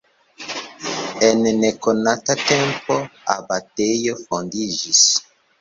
En nekonata tempo abatejo fondiĝis.